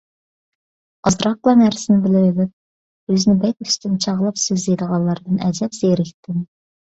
ئازراقلا نەرسىنى بىلىۋېلىپ ئۆزىنى بەك ئۈستۈن چاغلاپ سۆزلەيدىغانلاردىن ئەجەب زېرىكتىم.